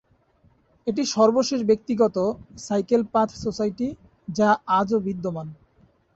এটি সর্বশেষ ব্যক্তিগত "সাইকেল পাথ সোসাইটি" যা আজও বিদ্যমান।